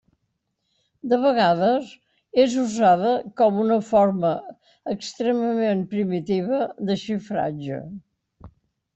De vegades, és usada com una forma extremament primitiva de xifratge.